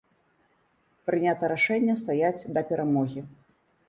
Прынята рашэнне стаяць да перамогі.